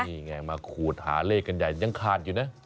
นี่ไงมาขูดหาเลขกันใหญ่ยังขาดอยู่นะ